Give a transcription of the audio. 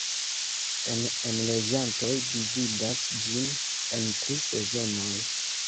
La enloĝantoj dividas ĝin en tri sezonoj.